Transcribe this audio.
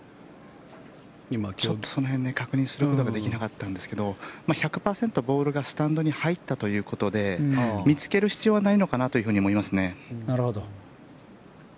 ちょっとその辺確認することができなかったんですが１００％ボールがスタンドに入ったということで見つける必要はないのかなと思いますね。